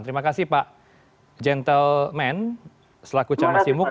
terima kasih pak gentleman selaku camat simuk